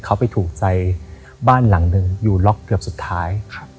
เขาไปถูกใจบ้านหลังหนึ่งอยู่ล็อกเกือบสุดท้าย